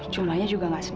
jumlahnya juga gak sedikit